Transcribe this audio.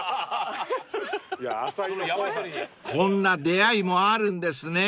［こんな出会いもあるんですね］